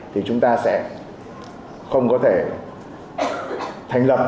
thì chúng ta sẽ không có thể thành lập